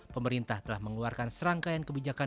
pemerintah telah mengeluarkan serangkaian kebijakan